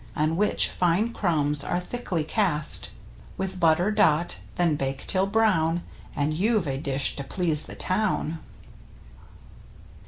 On which fine crumbs are thickly cast, With butter dot — then bake till brown, And you've a dish to please the town.